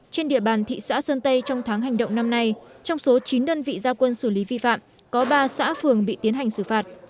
trên địa bàn thị xã sơn tây trong tháng hành động năm nay trong số chín đơn vị gia quân xử lý vi phạm có ba xã phường bị tiến hành xử phạt